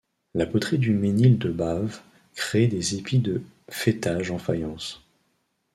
La poterie du Mesnil de Bavent crée des épis de faîtage en faïence.